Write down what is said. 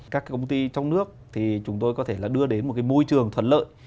các công ty trong nước thì chúng tôi có thể đưa đến một môi trường thuận lợi